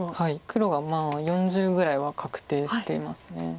黒が４０ぐらいは確定しています。